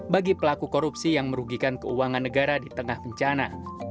bagi pelaku korupsi yang merugikan keuangan negara di tengah bencana